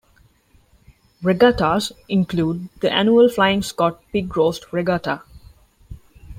Regattas include the Annual Flying Scot Pig Roast Regatta.